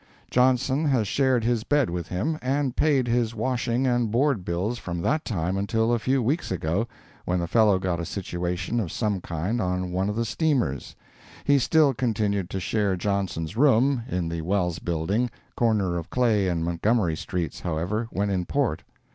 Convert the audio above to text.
Johnson has shared his bed with him, and paid his washing and board bills from that time until a few weeks ago, when the fellow got a situation of some kind on one of the steamers. He still continued to share Johnson's room, in the Wells Building, corner of Clay and Montgomery streets, however, when in port.